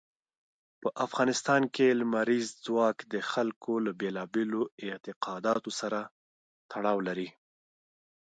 په افغانستان کې لمریز ځواک د خلکو له بېلابېلو اعتقاداتو سره تړاو لري.